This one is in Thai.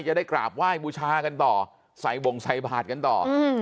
จะได้กราบไหว้บูชากันต่อใส่บ่งใส่บาทกันต่ออืม